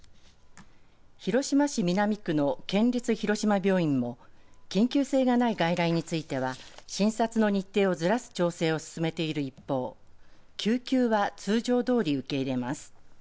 広島市南区の県立広島病院も緊急性がない外来については診察の日程をずらす調整を進めている一方救急は通常どおり受け入れます。